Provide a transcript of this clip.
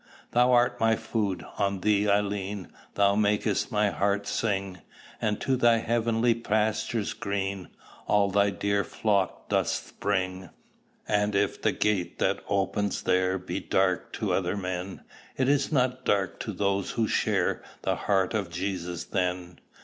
Thou art my food; on thee I lean; Thou makest my heart sing; And to thy heavenly pastures green All thy dear flock dost bring. And if the gate that opens there Be dark to other men, It is not dark to those who share The heart of Jesus then.